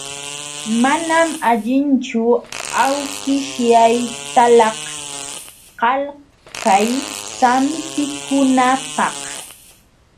Manam allinchu awkishyaytalaq qalkay sampikunapaq.